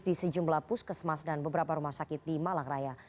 di sejumlah puskesman bnpb dan kementerian kesehatan